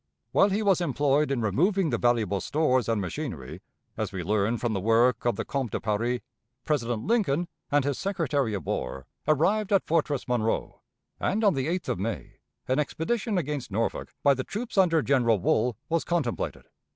While he was employed in removing the valuable stores and machinery, as we learn from the work of the Comte de Paris, President Lincoln and his Secretary of War arrived at Fortress Monroe, and on the 8th of May an expedition against Norfolk by the troops under General Wool was contemplated.